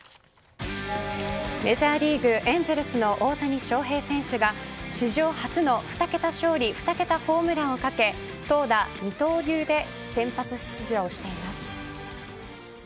メジャーリーグエンゼルスの大谷翔平選手が史上初の２桁勝利２桁ホームランをかけ投打二刀流で先発出場しています。